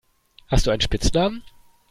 Hast du einen Spitznamen?